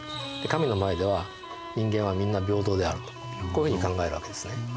神の前では人間はみんな平等であるとこういうふうに考えるわけですね。